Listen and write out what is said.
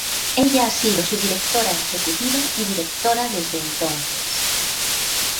Ella ha sido su Directora Ejecutiva y Directora desde entonces.